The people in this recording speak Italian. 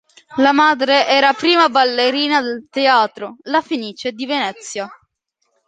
La madre era prima ballerina del Teatro La Fenice di Venezia.